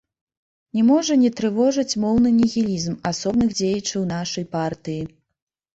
Не можа не трывожыць моўны нігілізм асобных дзеячаў нашай партыі.